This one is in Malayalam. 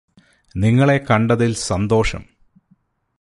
നിങ്ങളെ കണ്ടതില് സന്തോഷം